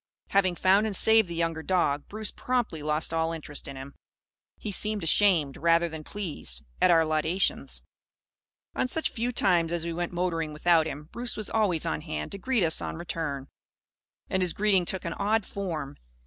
Having found and saved the younger dog, Bruce promptly lost all interest in him. He seemed ashamed, rather than pleased, at our laudations. On such few times as we went motoring without him, Bruce was always on hand to greet us on our return. And his greeting took an odd form.